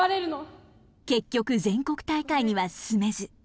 結局全国大会には進めず。